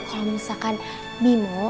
kalau misalkan bimo